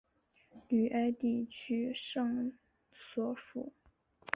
吕埃地区圣索弗。